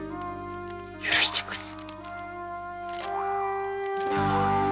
許してくれ。